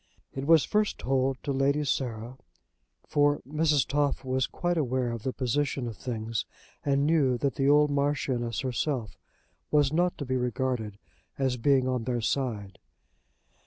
It was first told to Lady Sarah, for Mrs. Toff was quite aware of the position of things, and knew that the old Marchioness herself was not to be regarded as being on their side.